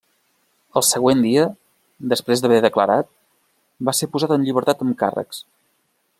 El següent dia, després d'haver declarat, va ser posat en llibertat amb càrrecs.